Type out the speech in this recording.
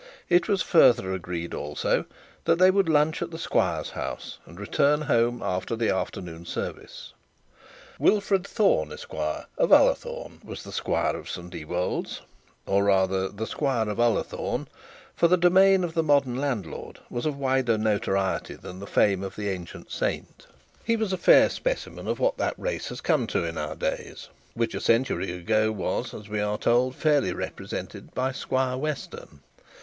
It was further agreed also, that they would lunch at the squire's house, and return home after the afternoon service. Wilfred Thorne, Esq., of Ullathorne, was the squire of St Ewold's; or rather the squire of Ullathorne; for the domain of the modern landlord was of wider notoriety than the fame of the ancient saint. He was a fair specimen of what that race has come to in our days, which a century ago was, as we are told, fairly represented by Squire Western.